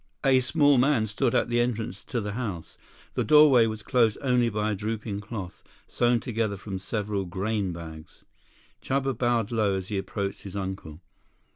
A small man stood at the entrance to the house. The doorway was closed only by a drooping cloth, sewn together from several grain bags. Chuba bowed low as he approached his uncle.